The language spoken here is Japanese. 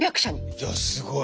いやすごい。